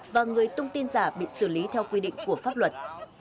và người tung tin giả bị xử lý theo quy định của pháp luật